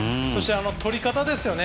とり方ですよね。